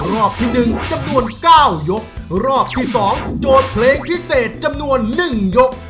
รอบที่๒โจทย์เพลงพิเศษจำนวน๑ยก